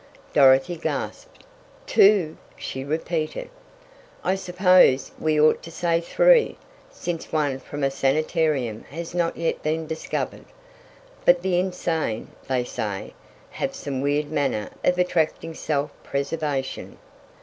Dorothy gasped. "Two?" she repeated. "I suppose we ought to say three, since one from a sanitarium has not yet been discovered. But the insane, they say, have some weird manner of attracting self preservation."